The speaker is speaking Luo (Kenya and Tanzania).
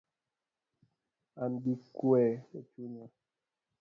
An gi kue echunya